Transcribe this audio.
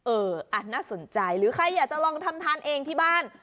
เอออ่ะน่าสนใจหรือใครอยากจะลองทำทานเองที่บ้าน